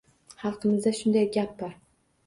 Xalqimizda shunday gap bor.